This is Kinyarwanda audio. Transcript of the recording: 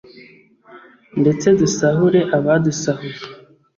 ndetse dusahure abadusahuye